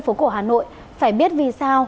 phố cổ hà nội phải biết vì sao